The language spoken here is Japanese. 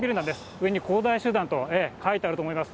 上に恒大集団と書いてあると思います。